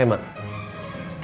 pompanya rusak ya emak